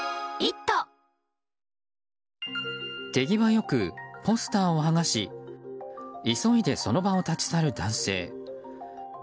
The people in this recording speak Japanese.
手際よくポスターを剥がし急いで、その場を立ち去る男性。